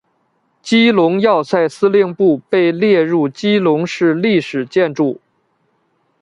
基隆要塞司令部被列入基隆市历史建筑。